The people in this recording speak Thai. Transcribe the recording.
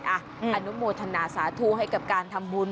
อนุโมทนาสาธุให้กับการทำบุญ